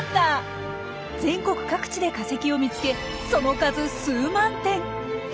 全国各地で化石を見つけその数数万点！